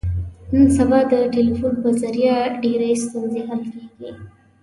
نن سبا د ټلیفون په ذریعه ډېرې ستونزې حل کېږي.